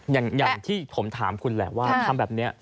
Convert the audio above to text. อย่างที่ผมถามคุณแหละว่าทำแบบนี้